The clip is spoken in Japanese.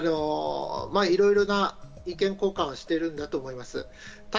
まぁ、いろいろな意見交換はしているんだと思います。